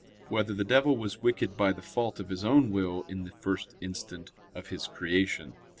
5] Whether the Devil Was Wicked by the Fault of His Own Will in the First Instant of His Creation?